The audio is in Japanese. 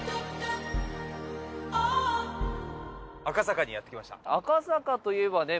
赤坂にやって来ました。